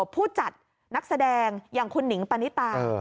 ผู้จัดนักแสดงอย่างคุณหนิงปณิตา